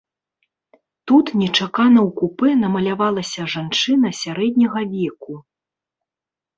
Тут нечакана ў купэ намалявалася жанчына сярэдняга веку.